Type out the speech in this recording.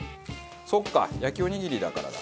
そっか焼きおにぎりだからだ。